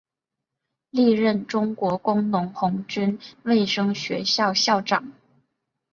历任中国工农红军卫生学校校长。